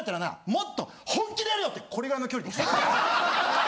もっと本気でやれよ！」ってこれぐらいの距離で言ってきて。